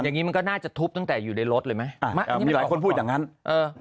อย่างงี้มันก็น่าจะทุบตั้งแต่อยู่ในรถเลยไหมอ่าไม่มีหลายคนพูดอย่างงั้นเออ